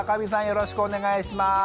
よろしくお願いします。